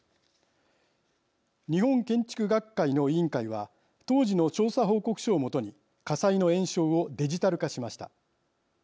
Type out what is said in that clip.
日本建築学会の委員会は当時の調査報告書を基に火災の延焼をデジタル化しました。